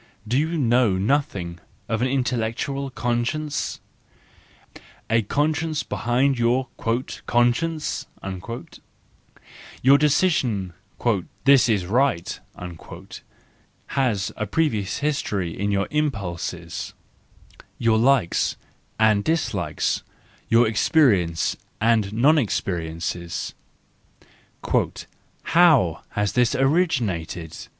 Do you know nothing of an intellectual conscience? A conscience behind your "conscience"? Your decision, "this is right," has a previous history in your impulses, your likes and dislikes, your experiences and non experiences; '" how has it originated